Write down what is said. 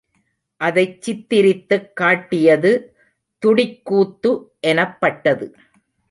அதைச் சித்திரித்துக் காட்டியது துடிக்கூத்து எனப்பட்டது.